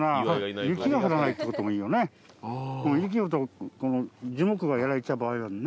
雪降ると樹木がやられちゃう場合があるのね。